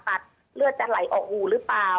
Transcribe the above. เลือดจะไหลออกหูหรือเปล่า